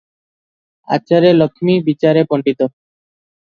ଆଚାରେ ଲକ୍ଷ୍ମୀ, ବିଚାରେ ପଣ୍ତିତ ।"